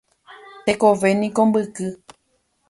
Tekovéniko mbyky